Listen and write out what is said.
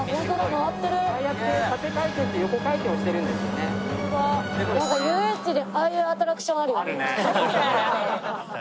ああやってなんか遊園地でああいうアトラクションあるよね。